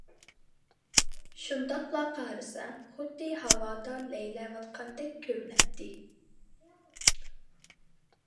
شۇنداقلا قارىسا خۇددى ھاۋادا لەيلەۋاتقاندەك كۆرۈنەتتى.